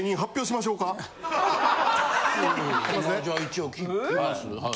まあじゃあ一応聞きます？